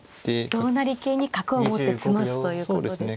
同成桂に角を持って詰ますということですね。